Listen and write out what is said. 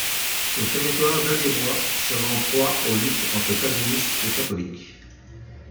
Le territoire dalhemois sera en proie aux luttes entre calvinistes et catholiques.